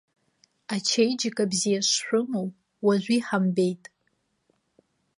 Ачеиџьыка бзиа шшәымоу уажәы иҳамбеит.